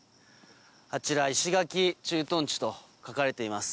あちら石垣駐屯地と書かれています。